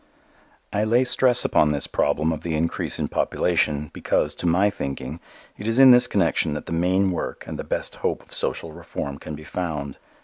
I lay stress upon this problem of the increase of population because, to my thinking, it is in this connection that the main work and the best hope of social reform can be found.